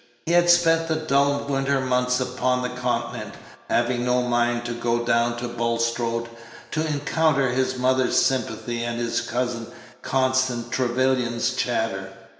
He had spent the dull winter months upon the Continent, having no mind to go down to Bulstrode to encounter his mother's sympathy and his cousin Constance Trevyllian's chatter.